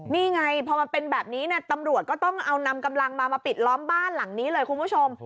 นี่ไงพอมันเป็นแบบนี้ตำรวจก็ต้องเอานำกำลังมามาปิดล้อมบ้านหลังนี้เลยคุณผู้ชม